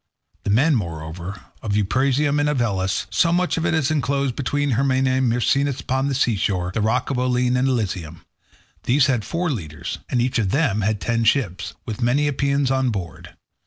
The men, moreover, of Buprasium and of Elis, so much of it as is enclosed between Hyrmine, Myrsinus upon the sea shore, the rock Olene and Alesium. These had four leaders, and each of them had ten ships, with many Epeans on board.